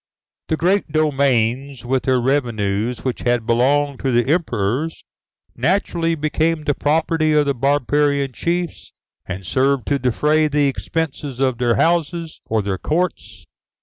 The great domains, with their revenues which had belonged to the emperors, naturally became the property of the barbarian chiefs, and served to defray the expenses of their houses or their courts.